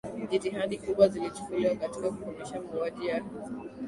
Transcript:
jitihada kubwa zilichukuliwa katika kukomesha mauaji ya kimbari